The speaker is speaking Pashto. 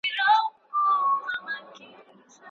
کابل او سوات به تل زموږ په مینه او زړونو کې پاتې وي.